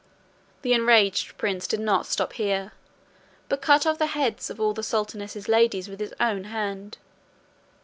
The enraged prince did not stop here, but cut off the heads of all the sultaness's ladies with his own hand.